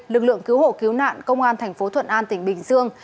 lực lượng cứu hộ cứu nạn công an thành phố thuận an tỉnh bình dương